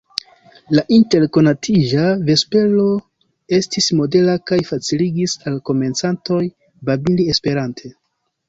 La interkonatiĝa vespero estis modela, kaj faciligis al komencantoj babili Esperante.